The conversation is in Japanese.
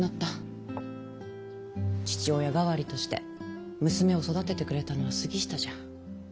父親代わりとして娘を育ててくれたのは杉下じゃ。